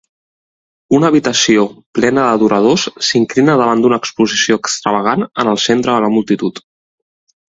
Una habitació plena d'adoradors s'inclina davant d'una exposició extravagant en el centre de la multitud.